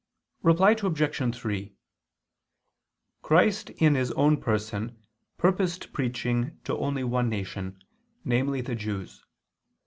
Reply Obj. 3: Christ in His own person purposed preaching to only one nation, namely the Jews.